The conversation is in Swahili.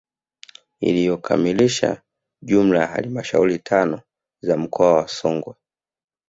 Inayokamilisha jumla ya halmashauri tano za mkoa wa Songwe